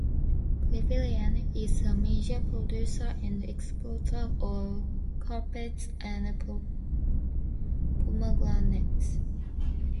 Crevillent is a major producer and exporter of carpets and pomegranates.